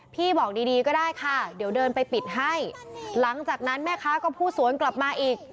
พี่บอกดีดีก็ได้ค่ะเดี๋ยวเดินไปปิดให้หลังจากนั้นแม่ค้าก็พูดสวนกลับมาอีก